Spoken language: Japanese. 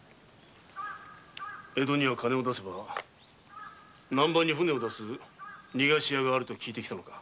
江戸には金を出せば南蛮に船を出す「逃がし屋」があると聞いてきたのか？